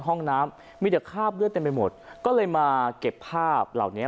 ห้องน้ำมีแต่คราบเลือดเต็มไปหมดก็เลยมาเก็บภาพเหล่านี้